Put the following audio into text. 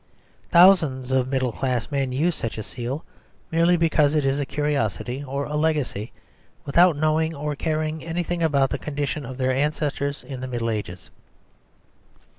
Thousands of middle class men use such a seal, merely because it is a curiosity or a legacy, without knowing or caring anything about the condition of their ancestors in the Middle Ages.